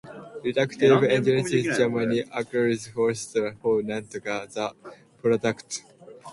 Reductive elimination generally occurs faster for complexes whose structures resemble the product.